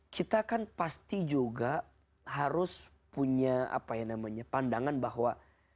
kita kan pasti juga harus punya pandangan bahwa